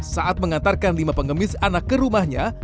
saat mengantarkan lima pengemis anak ke rumahnya